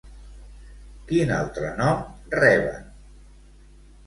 Quin altre nom reben?